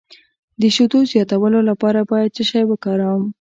د شیدو زیاتولو لپاره باید څه شی وکاروم؟